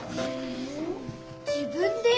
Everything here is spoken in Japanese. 自分で？